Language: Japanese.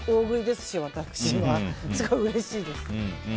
すごいうれしいです。